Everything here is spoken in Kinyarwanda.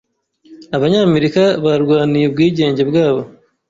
Abanyamerika barwaniye ubwigenge bwabo.